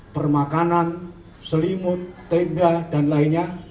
permakanan selimut tenda dan lainnya